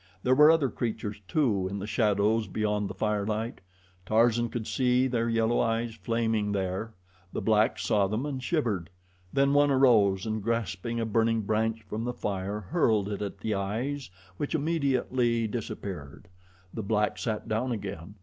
There were other creatures, too, in the shadows beyond the firelight. Tarzan could see their yellow eyes flaming there. The blacks saw them and shivered. Then one arose and grasping a burning branch from the fire hurled it at the eyes, which immediately disappeared. The black sat down again.